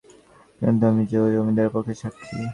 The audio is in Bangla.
কিন্তু আমি যে ওর জমিদারের পক্ষে সাক্ষী।